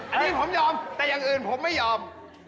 อันนี้ผมยอมแต่อย่างอื่นผมไม่ยอม